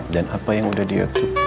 dan apa yang udah dia